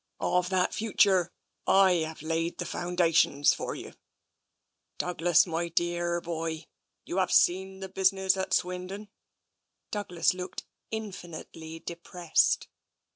Of that future, / have laid the foundations for you. Douglas, my dearr boy, you have seen the business at Swindon?" Douglas looked infinitely depressed.